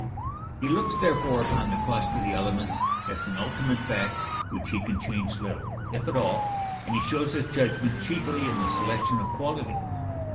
He looks therefore upon the cost of the elements as an ultimate fact which he can change little, if at all, and he shows his judgment chiefly in the selection of quality.